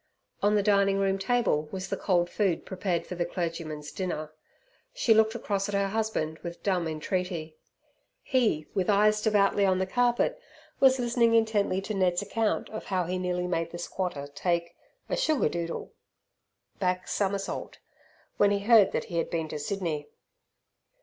On the dining room table was the cold food prepared for the clergyman's dinner. She looked across at her husband with dumb entreaty. He, with eyes devoutly on the carpet, was listening intently to Ned's account of how he nearly made the squatter take a "sugar doodle" (back somersault) when he heard that he had been to Sydney.